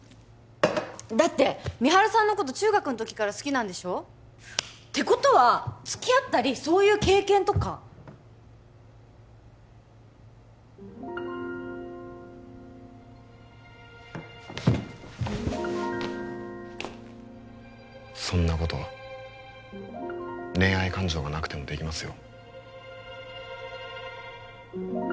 だって美晴さんのこと中学の時から好きなんでしょてことはつきあったりそういう経験とかそんなこと恋愛感情がなくてもできますよ